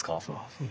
そう。